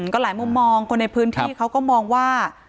ก็หลายมุมมองคนในพื้นที่เขาก็มองว่า